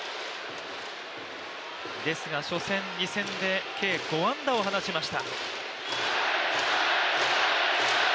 ですが初戦、２戦で計５安打を放ちました。